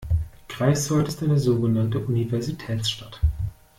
Greifswald ist eine sogenannte Universitätsstadt.